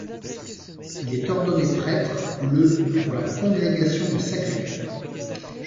Il est ordonné prêtre le pour la congrégation du Sacré-Cœur.